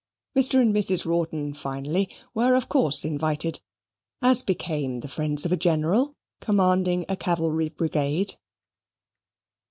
Mr. and Mrs. Rawdon, finally, were of course invited; as became the friends of a General commanding a cavalry brigade.